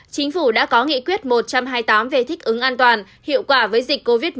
chính phủ đã có nghị quyết một trăm hai mươi tám về thích ứng an toàn hiệu quả với dịch covid một mươi chín